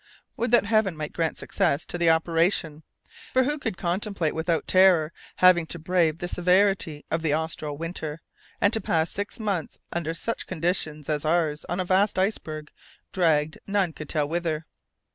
Would that Heaven might grant success to the operation, for who could contemplate without terror having to brave the severity of the austral winter, and to pass six months under such conditions as ours on a vast iceberg, dragged none could tell whither?